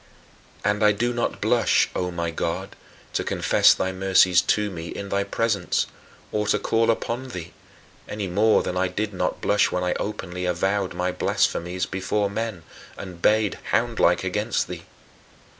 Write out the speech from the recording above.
And I do not blush, O my God, to confess thy mercies to me in thy presence, or to call upon thee any more than I did not blush when I openly avowed my blasphemies before men, and bayed, houndlike, against thee.